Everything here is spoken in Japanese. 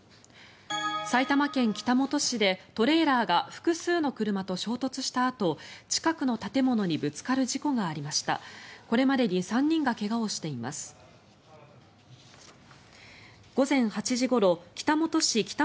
埼玉県北本市でトレーラーが複数の車と衝突したあと近くの建物にぶつかる事故がありました。